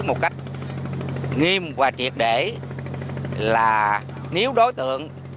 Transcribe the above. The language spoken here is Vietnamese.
một cách nghiêm và triệt để là nếu đối tượng